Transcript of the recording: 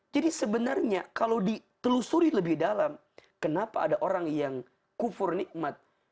jadi sebenarnya kalau ditelusuri lebih dalam kenapa ada orang yang kufur nikmat